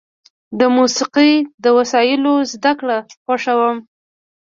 زه د موسیقۍ د وسایلو زدهکړه خوښوم.